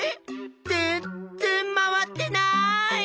ぜんっぜん回ってない！